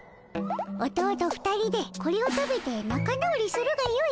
おとおと２人でこれを食べてなか直りするがよい。